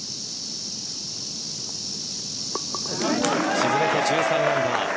沈めて１３アンダー。